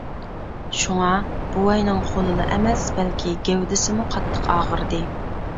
شۇڭا، بوۋاينىڭ قولىلا ئەمەس، بەلكى گەۋدىسىمۇ قاتتىق ئاغرىدى.